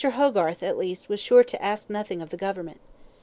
Hogarth, at least, was sure to ask nothing of the Government.